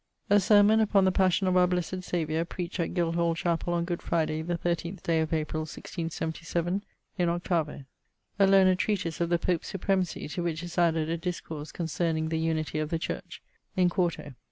A sermon upon the Passion of our blessed Saviour preached at Guildhall chapell on Good Fryday the 13th day of April 1677, in 8vo. A learned treatise of the Pope's supremacy, to which is added a discourse concerning the unity of the church; in 4to.